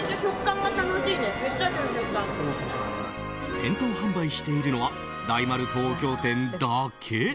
店頭販売しているのは大丸東京店だけ。